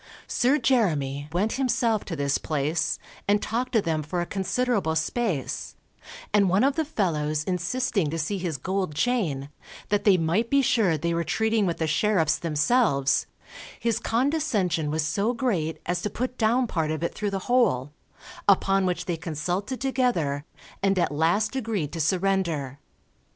Sir Jeremy went himself to this place, and talked to them for a considerable space, and one of the fellows insisting to see his gold chain, that they might be sure they were treating with the sheriffs themselves, his condescension was so great as to put down part of it through the hole, upon which they consulted together, and at last agreed to surrender.